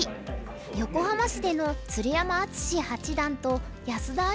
横浜市での鶴山淳志八段と安田明